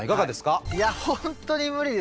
いや本当に無理ですね。